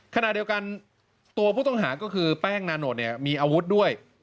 ขณะเดียวกันตัวผู้ต้องหาก็คือแป้งนานดเนี่ยมีอาวุธด้วย